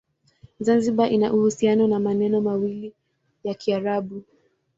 Zanzibar ina uhusiano na maneno mawili ya Kiarabu.